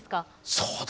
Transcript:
そうだ！